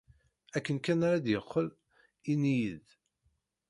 Akken kan ara d-yeqqel, ini-iyi-d.